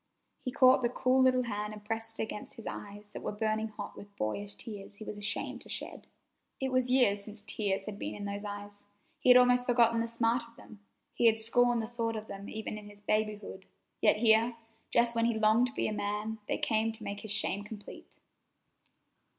He caught the cool little hand and pressed it against his eyes that were burning hot with boyish tears he was ashamed to shed. It was years since tears had been in those eyes. He had almost forgotten the smart of them. He had scorned the thought of them even in his babyhood, yet here, just when he longed to be a man, they came to make his shame complete.